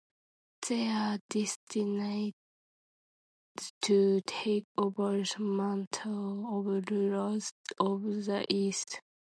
They are destined to take over the mantle of rulers of the Earth.